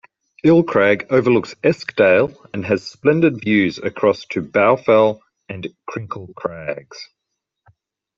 Ill Crag overlooks Eskdale and has splendid views across to Bowfell and Crinkle Crags.